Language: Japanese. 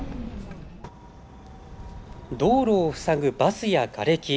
道路を塞ぐバスやがれき。